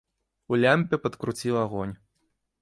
У лямпе падкруціў агонь.